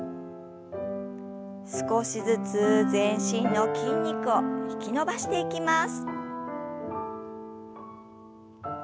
少しずつ全身の筋肉を引き伸ばしていきます。